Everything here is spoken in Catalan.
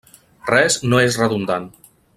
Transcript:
Res no és redundant.